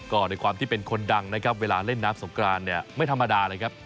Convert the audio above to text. ก็ในความที่เป็นคนดังนะครับเวลาเล่นน้ำสงกรานเนี่ยไม่ธรรมดาเลยครับ